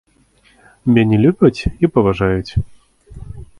Мяне любяць і паважаюць.